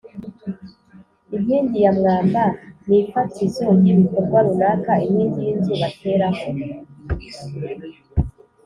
inkingi ya mwamba: ni ifatizo ry’ibikorwa runaka, inkingi y’inzu bateraho